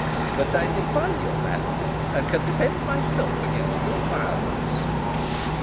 But I defy your malice, and can defend myself against your violence."